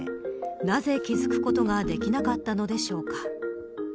なぜ、気付くことができなかったのでしょうか。